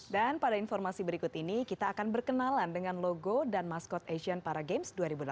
dan pada informasi berikut ini kita akan berkenalan dengan logo dan maskot asian para games dua ribu delapan belas